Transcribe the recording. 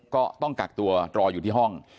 ก็ต้องกักตัวรออยู่ที่ห้อง